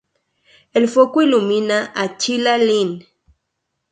El foco ilumina a Chila Lynn.